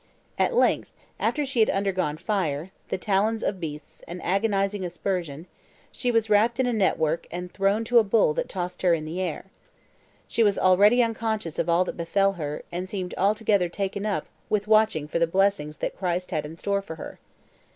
At length, after she had undergone fire, the talons of beasts, and agonizing aspersion, she was wrapped in a network and thrown to a bull that tossed her in the air; she was already unconscious of all that befell her, and seemed altogether taken up with watching for the blessings that Christ had in store for her.